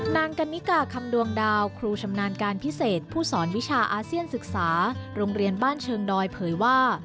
นางกันนิกาคำดวงดาวครูชำนาญการพิเศษผู้สอนวิชาอาเซียนศึกษาโรงเรียนบ้านเชิงดอยเผยว่า